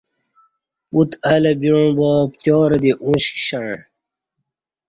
پوت اہ لہ بیوݩع باپتیارہ دی اوݩش کشݩع